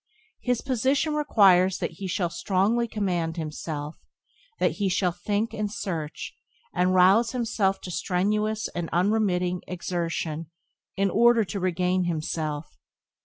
His position requires that he shall strongly command himself; that he shall think and search, and rouse himself to strenuous and unremitting exertion in order to regain himself.